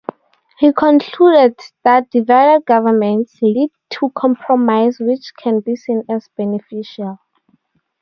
He concluded that divided governments lead to compromise which can be seen as beneficial.